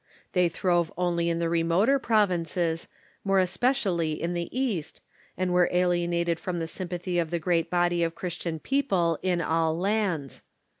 They throve only in the remoter provinces, more especially in the East, and were alienated from the sympathy of the great body of Christian people in all lands.